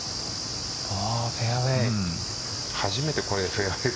フェアウェイ。